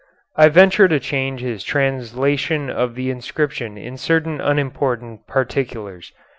I venture to change his translation of the inscription in certain unimportant particulars.